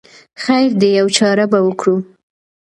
خیر دی یوه چاره به وکړو.